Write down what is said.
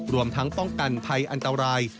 รวมทั้งป้องกันภัยอันตราย